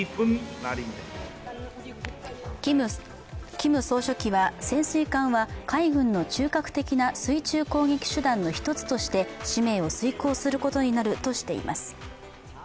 キム総書記は、潜水艦は海軍の中核的な水中攻撃手段の一つとして使命を遂行することになるとしています。